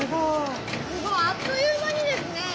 すごいあっという間にですね。